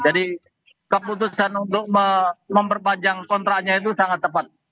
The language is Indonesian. jadi keputusan untuk memperpanjang kontraknya itu sangat tepat